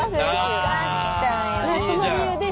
よかったよ。